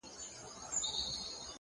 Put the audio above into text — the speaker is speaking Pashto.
هوښیار انسان هره ورځ وده کوي,